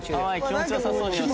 気持ち良さそう。